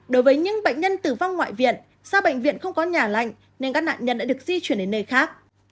đối với những bệnh nhân tử vong ngoại viện do bệnh viện không có nhà lạnh nên các nạn nhân đã được di chuyển đến nơi khác